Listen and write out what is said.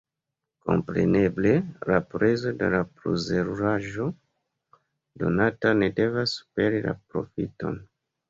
Kompreneble, la prezo de la plezuraĵo donota ne devas superi la profiton.